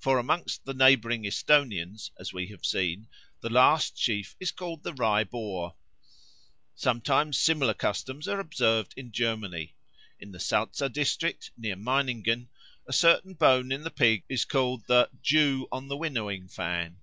For amongst the neighbouring Esthonians, as we have seen, the last sheaf is called the Rye boar. Somewhat similar customs are observed in Germany. In the Salza district, near Meiningen, a certain bone in the pig is called "the Jew on the winnowing fan."